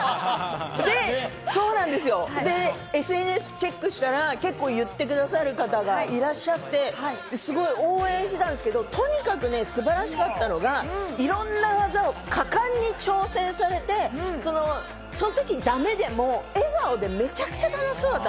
で、そうなんですよ、ＳＮＳをチェックしたら結構言ってくださる方がいらっしゃって、すごい応援してたんですけど、とにかく素晴らしかったのがいろんな技を果敢に挑戦されて、その時ダメでも笑顔でめちゃくちゃ楽しそうだった。